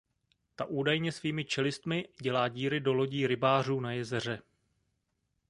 Ta údajně svými čelistmi „dělá“ díry do lodí rybářů na jezeře.